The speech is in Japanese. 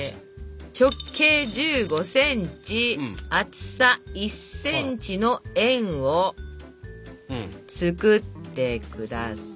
直径１５ｃｍ厚さ１ｃｍの円を作ってください。